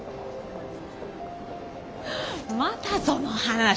またその話？